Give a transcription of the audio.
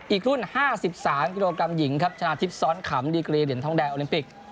อีกรุ่น๕๓กิโลกรัมหญิงครับชนะทิพย์ซ้อนขำดีกรีเหรียญทองแดงโอลิมปิก